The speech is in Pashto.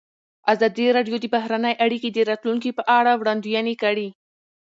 ازادي راډیو د بهرنۍ اړیکې د راتلونکې په اړه وړاندوینې کړې.